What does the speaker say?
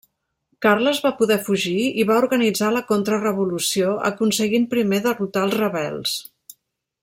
Carles va poder fugir i va organitzar la contrarevolució, aconseguint primer derrotar als rebels.